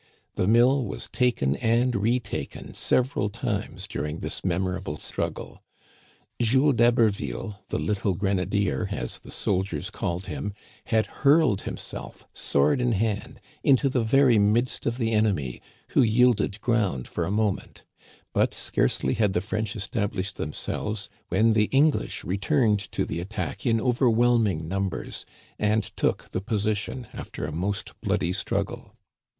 The mill was taken and retaken sev eral times during this memorable struggle. Jules d'Haberville, "the little grenadier," as the soldiers called him, had hurled himself, sword in hand, into the very midst of the enemy, who yielded ground for a mo ment ; but scarcely had the French established them selves, when the English returned to the attack in over whelming numbers, and took the position after a most bloody struggle.